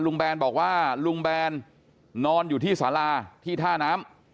แบนบอกว่าลุงแบนนอนอยู่ที่สาราที่ท่าน้ำ